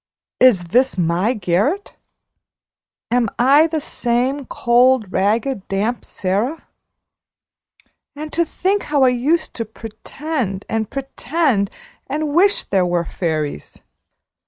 Is this my garret? Am I the same cold, ragged, damp Sara? And to think how I used to pretend, and pretend, and wish there were fairies!